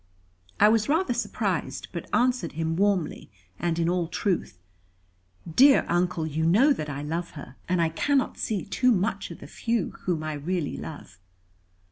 I was rather surprised; but answered him warmly, and in all truth: "Dear Uncle, you know that I love her; and I cannot see too much of the few whom I really love."